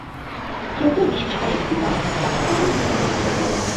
কেউ কেউ বিশ্বাস করে ক্রুবা, রাজকুমারীর পিতার পুনর্জন্ম।